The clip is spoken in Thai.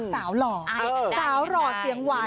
สาวหล่อเสียงหวาน